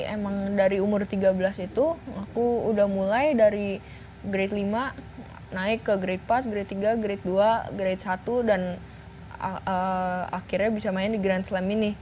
emang dari umur tiga belas itu aku udah mulai dari grade lima naik ke grade empat grade tiga grade dua grade satu dan akhirnya bisa main di grand slam ini